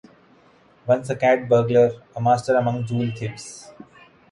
Once a cat burglar, a master among jewel thieves.